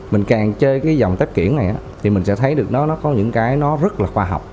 mình càng chơi cái dòng tích kiển này thì mình sẽ thấy được nó nó có những cái nó rất là khoa học